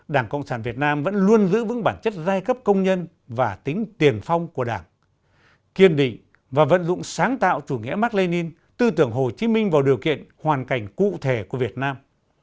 đảng cộng sản việt nam vẫn luôn giữ vững bản chất giai cấp công nhân và tính tiền phong của đảng kiên định và vận dụng sáng tạo chủ nghĩa mark lenin tư tưởng hồ chí minh vào điều kiện hoàn cảnh cụ thể của việt nam